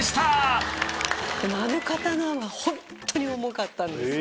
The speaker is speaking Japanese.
あの刀はホントに重かったんです。